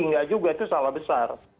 enggak juga itu salah besar